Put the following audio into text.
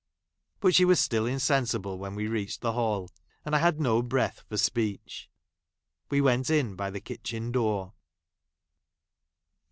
But she was still I insensible when we reached the hall, and I I had no breath for speech. went in by ; the kitchen door.